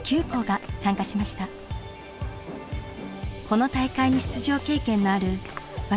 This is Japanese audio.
この大会に出場経験のある私